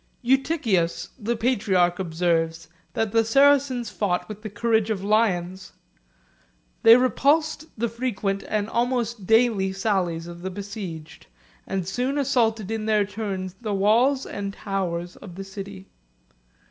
Eutychius the patriarch observes, that the Saracens fought with the courage of lions: they repulsed the frequent and almost daily sallies of the besieged, and soon assaulted in their turn the walls and towers of the city.